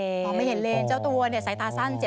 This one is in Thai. มองไม่เห็นเลนเจ้าตัวเนี่ยสายตาสั้น